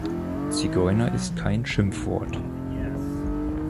Zigeuner ist kein Schimpfwort.